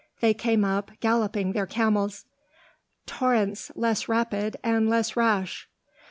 They came up, galloping their camels, "Torrents less rapid and less rash.